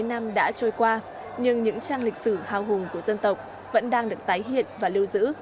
bảy mươi năm đã trôi qua nhưng những trang lịch sử hào hùng của dân tộc vẫn đang được tái hiện và lưu giữ